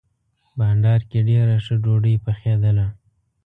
بانډار کې ډېره ښه ډوډۍ پخېدله.